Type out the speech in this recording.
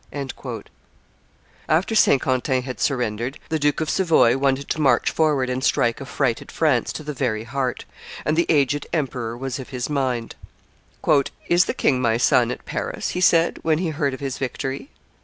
After that Saint Quentin had surrendered, the Duke of Savoy wanted to march forward and strike affrighted France to the very heart; and the aged emperor was of his mind. "Is the king my son at Paris?" he said, when he heard of his victory.